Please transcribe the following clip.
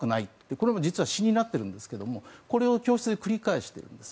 これは実は詩になっているんですがこれを教室で繰り返しているんです。